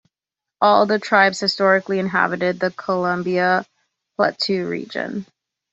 All the tribes historically inhabited the Columbia Plateau region.